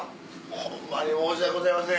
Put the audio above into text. ホンマに申し訳ございません。